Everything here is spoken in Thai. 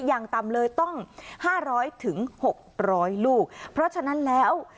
อย่างต่ำเลยต้องห้าร้อยถึงหกร้อยลูกเพราะฉะนั้นแล้ว